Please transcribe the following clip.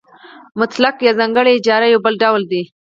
مطلقه یا ځانګړې اجاره یو بل ډول دی